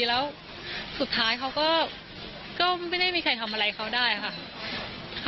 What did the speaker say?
แล้วสุดท้ายเขาก็ไม่ได้มีใครทำอะไรเขาได้ค่ะ